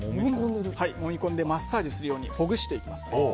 マッサージするようにほぐしていきます。